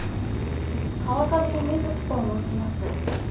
川上美月と申します。